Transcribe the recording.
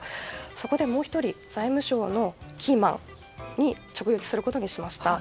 そこでもう１人財務省のキーマンに直撃することにしました。